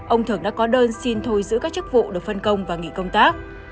ông thượng đã có đơn xin thôi giữ các chức vụ được phân công và nghỉ công tác